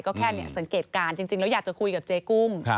ก็แค่สังเกตการณ์จริงแล้วอยากจะคุยกับเจ๊กุ้ง